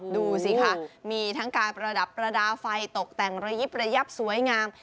ดูสิคะมีทั้งการประดับประดาษไฟตกแต่งระยิบระยับสวยงาม